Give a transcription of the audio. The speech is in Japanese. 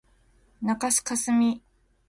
中須かすみ